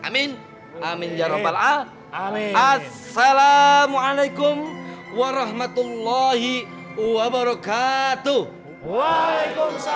amin amin ya robbal al alih assalamualaikum warahmatullahi wabarakatuh waalaikumsalam